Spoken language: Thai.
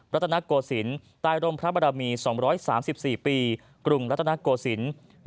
รัฐนโกศิลป์ใต้ร่มพระบรมี๒๓๔ปีกรุงรัฐนโกศิลป์